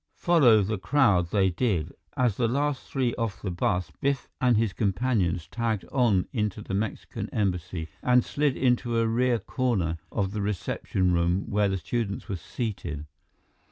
Follow the crowd they did. As the last three off the bus, Biff and his companions tagged on into the Mexican Embassy and slid into a rear corner of the reception room where the students were seated.